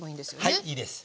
はいいいです。